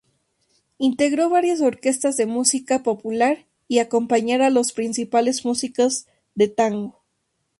Integró varias orquestas de música popular y acompañar a los principales músicos de tango.